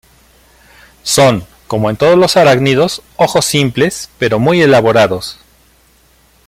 Son, como en todos los arácnidos, ojos simples, pero muy elaborados.